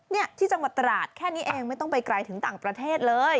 เนี่ยที่จังหวัดตราดแค่นี้เองไม่ต้องไปไกลถึงต่างประเทศเลย